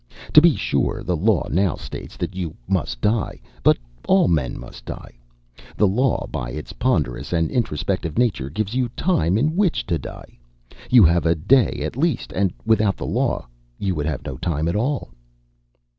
To be sure, the law now states that you must die. But all men must die. The law, by its ponderous and introspective nature, gives you time in which to die. You have a day at least; and without the law, you would have no time at all."